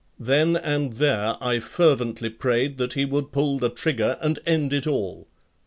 Then and there I fervently prayed that he would pull the trigger and end it all.